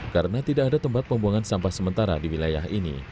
karena tidak ada tempat pembuangan sampah sementara di wilayah ini